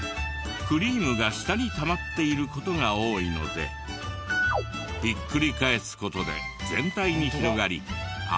クリームが下にたまっている事が多いのでひっくり返す事で全体に広がりあふれにくくなるんです。